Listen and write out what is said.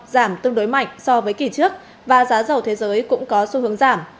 giảm tương đối mạnh so với kỳ trước và giá dầu thế giới cũng có xu hướng giảm